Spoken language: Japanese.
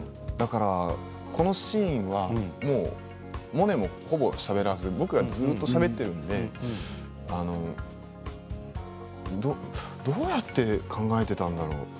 このシーンはモネも、ほぼしゃべらず僕がずっとしゃべっているのでどうやって考えていたんだろう？